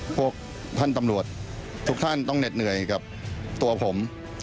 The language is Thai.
พวกท่านตำรวจทุกท่านต้องเหน็ดเหนื่อยกับตัวผม